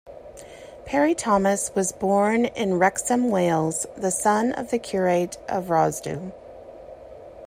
Parry-Thomas was born in Wrexham, Wales, the son of the curate of Rhosddu.